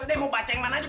nih mau baca yang mana aja